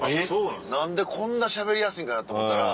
何でこんなしゃべりやすいんかなと思ったら。